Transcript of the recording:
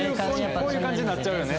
こういう感じになっちゃうよね。